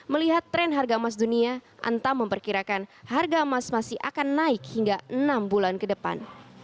melihat tren harga emas dunia antam memperkirakan harga emas masih akan naik hingga enam bulan ke depan